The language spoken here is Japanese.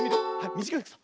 みじかいくさ。